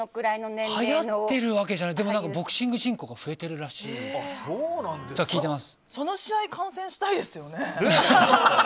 はやってるわけじゃないですけどボクシング人口が増えているとその試合観戦したいですよね。